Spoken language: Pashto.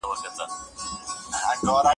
چاربیتي واخله او ټپه ویښه کړه